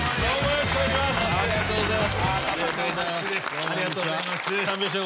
よろしくお願いします。